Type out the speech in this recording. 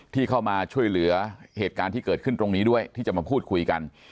ที่เข้ามาช่วยเหลือเหตุการณ์ที่เกิดขึ้นตรงนี้ด้วยที่จะมาพูดคุยกัน